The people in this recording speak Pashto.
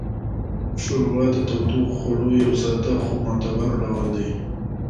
ښوروا د تودوخوړو یو ساده خو معتبر ډول دی.